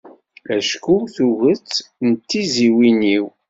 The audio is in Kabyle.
Acku tuget n tiziwin-iw.